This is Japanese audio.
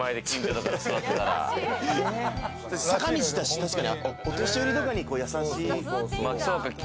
坂道だし、お年寄りとかに優しい。